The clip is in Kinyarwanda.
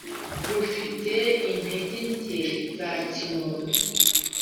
rufite intege nke za kimuntu